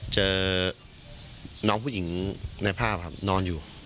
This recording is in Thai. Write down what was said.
เจอน้องผู้หญิงในภาพครับนอนอยู่